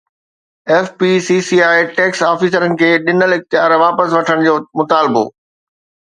F P C C I tax آفيسرن کي ڏنل اختيار واپس وٺڻ جو مطالبو